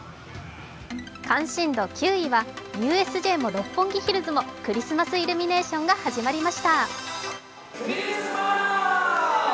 関心度９位はＵＳＪも六本木ヒルズも、クリスマスイルミネーションが始まりました。